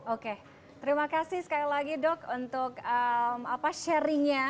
oke terima kasih sekali lagi dok untuk sharingnya